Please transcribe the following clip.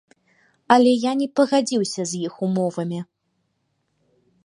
Але я не пагадзіўся з іх умовамі.